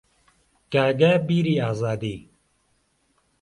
گاگا بیری ئازادی